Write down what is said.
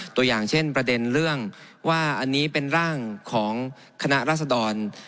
ตัวอย่างเช่นประเด็นเรื่องว่าอันนี้เป็นร่างของคณะรัศดร